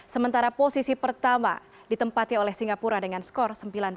sementara posisi pertama ditempati oleh singapura dengan skor sembilan puluh dua